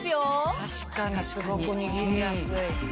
確かにすごく握りやすい。